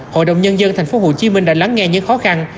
hội đồng nhân dân tp hcm đã lắng nghe những khó khăn